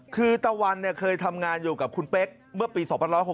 คือตะวันเคยทำงานอยู่กับคุณเป๊กเมื่อปี๒๖๖